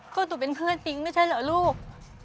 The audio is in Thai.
ก็ตุ๋เป็นเพื่อนจริงไม่ใช่เหรอลูก